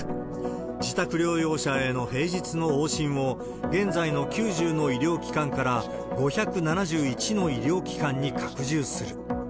自宅療養者への平日の往診を、現在の９０の医療機関から５７１の医療機関に拡充する。